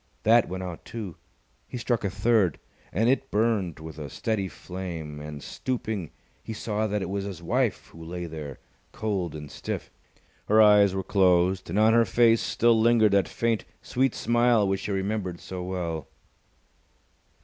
That went out, too. He struck a third, and it burnt with a steady flame; and, stooping, he saw that it was his wife who lay there, cold and stiff. Her eyes were closed, and on her face still lingered that faint, sweet smile which he remembered so well.